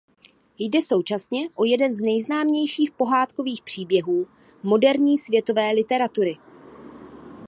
Jde současně o jeden z nejznámějších pohádkových příběhů moderní světové literatury.